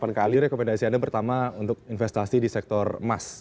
jadi rekomendasi anda pertama untuk investasi di sektor emas